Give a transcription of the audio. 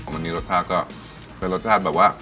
วันนี้รสชาติก็เป็นรสชาติแบบว่า